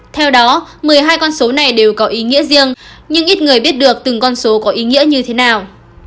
theo đó một mươi hai con số này đều có ý nghĩa riêng nhưng ít người biết được từng con số có ý nghĩa như thế nào